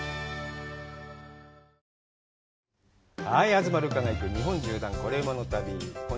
「東留伽が行く日本縦断コレうまの旅」